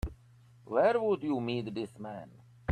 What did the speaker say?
Where'd you meet this man?